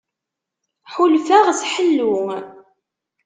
Ḥulfaɣ s ḥellu.